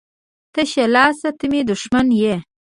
تشه لاسه ته مي دښمن يي.